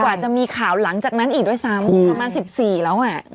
กว่าจะมีข่าวหลังจากนั้นอีกด้วยซ้ำประมาณ๑๔แล้วอ่ะ